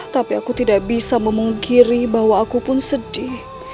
tapi aku tidak bisa memungkiri bahwa aku pun sedih